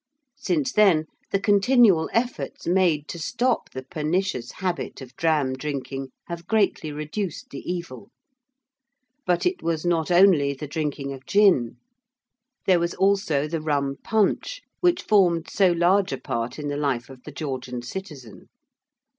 Since then the continual efforts made to stop the pernicious habit of dram drinking have greatly reduced the evil. But it was not only the drinking of gin: there was also the rum punch which formed so large a part in the life of the Georgian citizen.